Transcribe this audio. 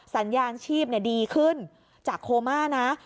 สัญญาณชีพดีขึ้นจากโคม่านะ